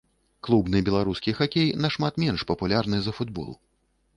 Клубны беларускі хакей нашмат менш папулярны за футбол.